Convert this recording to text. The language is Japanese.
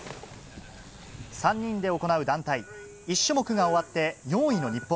３人で行う団体、１種目が終わって４位の日本。